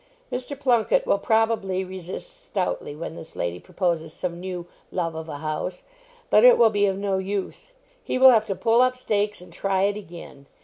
Mr. Plunket will, probably, resist stoutly when this lady proposes some new "love of a house," but it will be of no use; he will have to pull up stakes and try it again.